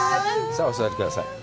さあ、お座りください。